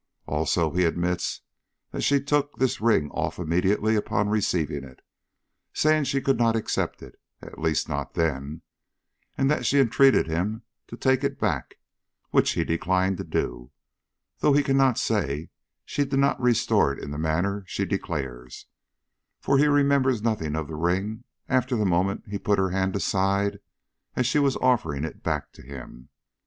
Also, he admits that she took this ring off immediately upon receiving it, saying she could not accept it, at least not then, and that she entreated him to take it back, which he declined to do, though he cannot say she did not restore it in the manner she declares, for he remembers nothing of the ring after the moment he put her hand aside as she was offering it back to him.